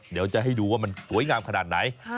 เดี๋ยวจะให้ดูว่ามันสวยงามขนาดไหน